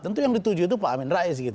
tentu yang dituju itu pak amin rais gitu